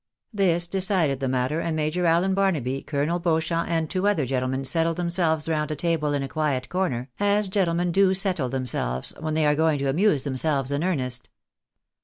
This decided the matter, and Major Allen Barnaby, Colonel Beauchamp, and two other gentlemen settled themselves round a table in a quiet corner, as gentlemen do settle themselves when they are going to amuse themselves in earnest.